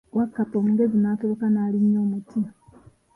Wakkapa omugezi naatoloka n'alinya omuti.